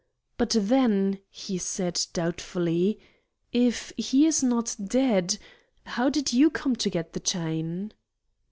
"But then," he said, doubtfully, "if he is not dead, how did you come to get the chain?"